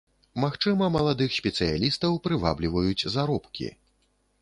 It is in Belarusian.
Магчыма, маладых спецыялістаў прывабліваюць заробкі.